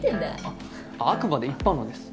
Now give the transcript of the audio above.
あくまで一般論です。